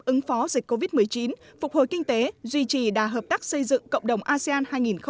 ứng phó dịch covid một mươi chín phục hồi kinh tế duy trì đà hợp tác xây dựng cộng đồng asean hai nghìn hai mươi năm